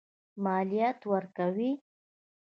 مالیات ورکوي.